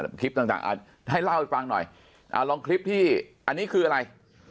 คลิปต่างให้เล่าให้ฟังหน่อยอ่าลองคลิปที่อันนี้คืออะไร